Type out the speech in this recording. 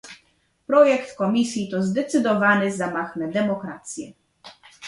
Projekt Komisji to zdecydowany zamach na demokrację